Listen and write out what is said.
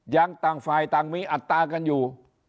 ต่างฝ่ายต่างมีอัตรากันอยู่